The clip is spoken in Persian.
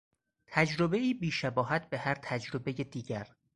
تجربهای بیشباهت به هر تجربهی دیگر